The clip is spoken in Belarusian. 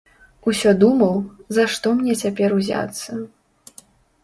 Усё думаў, за што мне цяпер узяцца.